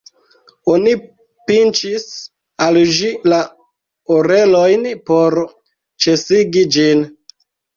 Oni pinĉis al ĝi la orelojn por ĉesigi ĝin.